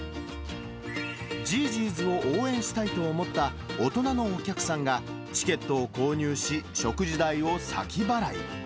じぃーじぃーずを応援したいと思った大人のお客さんが、チケットを購入し、食事代を先払い。